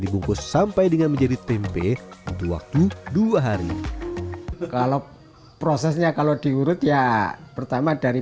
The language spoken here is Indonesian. dibungkus sampai dengan menjadi tempe butuh waktu dua hari kalau prosesnya kalau diurut ya pertama dari